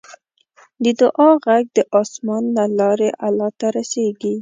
د دعا غږ د اسمان له لارې الله ته رسیږي.